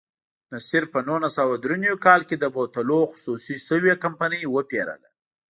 نصیر په نولس سوه درې نوي کال کې د بوتلونو خصوصي شوې کمپنۍ وپېرله.